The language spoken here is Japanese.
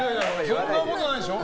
そんなことないでしょ。